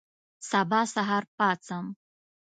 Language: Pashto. سبا سهار پاڅم